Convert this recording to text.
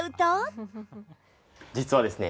実はですね